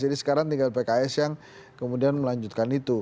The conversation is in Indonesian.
jadi sekarang tinggal pks yang kemudian melanjutkan itu